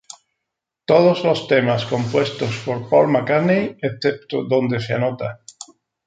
Todos los temas compuestos por Paul McCartney excepto donde se anota.